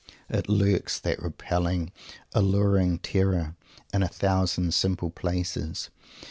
It lurks, that repelling alluring Terror, in a thousand simple places.